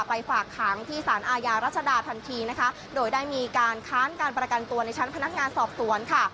ฝากขังที่สารอาญารัชดาทันทีนะคะโดยได้มีการค้านการประกันตัวในชั้นพนักงานสอบสวนค่ะ